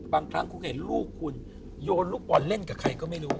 บางครั้งคุณเห็นลูกคุณโยนลูกบอลเล่นกับใครก็ไม่รู้